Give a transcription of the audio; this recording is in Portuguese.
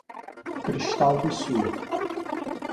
Cristal do Sul